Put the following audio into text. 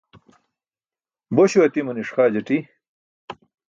Bośo atimaniṣ xaa jati.